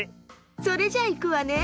それじゃいくわね。